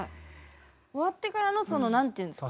終わってからのその何て言うんですか。